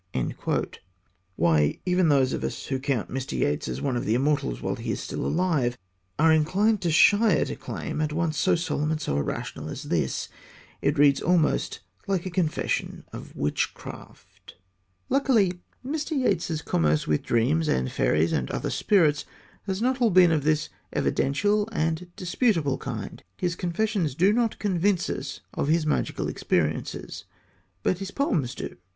Why, even those of us who count Mr. Yeats one of the immortals while he is still alive, are inclined to shy at a claim at once so solemn and so irrational as this. It reads almost like a confession of witchcraft. Luckily, Mr. Yeats's commerce with dreams and fairies and other spirits has not all been of this evidential and disputable kind. His confessions do not convince us of his magical experiences, but his poems do.